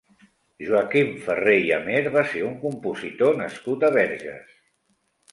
Joaquim Ferrer i Amer va ser un compositor nascut a Verges.